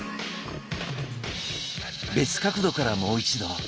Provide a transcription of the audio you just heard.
別角度からもう一度。